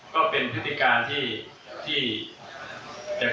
ก็เป็นพฤติกาที่จะเกิดขึ้นอยู่ในพวกที่นอกแถว